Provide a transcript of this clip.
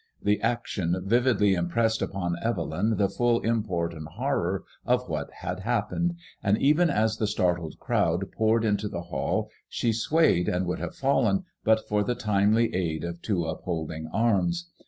The action 156 MADEMOISELLE DCB. vividly impressed upon Evelyn the full import and horror of what had happened, and even as the startled crowd poured into the hally she swayed, and would have fallen, but for the timely aid of two upholding arms.